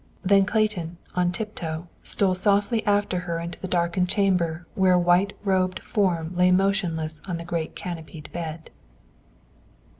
Then Clayton, on tip toe, stole softly after her into the darkened chamber where a white robed form lay motionless on the great canopied bed.